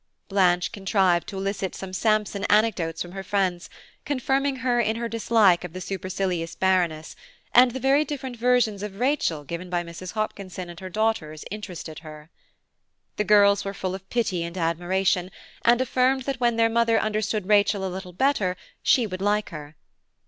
Blanche contrived to elicit some Sampson anecdotes from her friends, confirming her in her dislike of the supercilious Baroness, and the very different versions of Rachel given by Mrs. Hopkinson and her daughters interested her. The girls were full of pity and admiration, and affirmed that when their mother understood Rachel a little better she would like her.